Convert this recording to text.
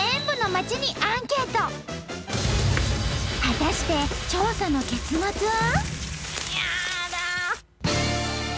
果たして調査の結末は！？